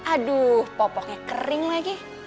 aduh popoknya kering lagi